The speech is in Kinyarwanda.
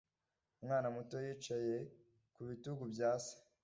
Umwana muto yicaye ku bitugu bya se